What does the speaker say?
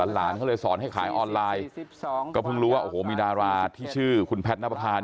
หลานเขาเลยสอนให้ขายออนไลน์ก็เพิ่งรู้ว่าโอ้โหมีดาราที่ชื่อคุณแพทย์นับประพา